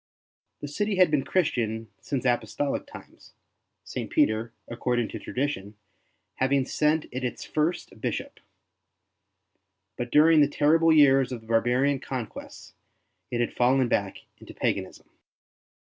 The city had been Christian since Apostolic times, St. Peter, according to tradition, having sent it its first Bishop; but during the terrible years of the barbarian conquests it had fallen back into paganism.